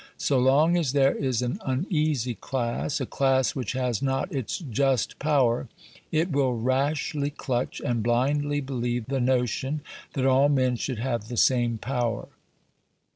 So long as there is an uneasy class, a class which has not its just power, it will rashly clutch and blindly believe the notion that all men should have the same power.